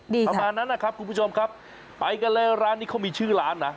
ดีค่ะคุณผู้ชมครับไปกันเลยร้านนี้เขามีชื่อร้านนะ